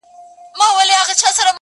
هم داسي ستا دا گل ورين مخ~